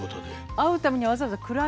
会うためにわざわざ位を。